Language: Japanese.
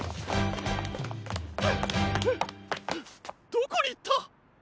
どこにいった！？